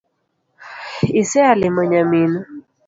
Isea limo nyaminu